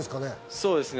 そうですね。